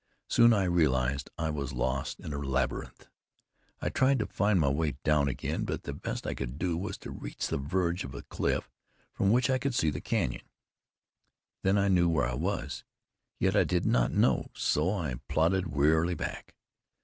Soon I realized I was lost in a labyrinth. I tried to find my way down again, but the best I could do was to reach the verge of a cliff, from which I could see the canyon. Then I knew where I was, yet I did not know, so I plodded wearily back.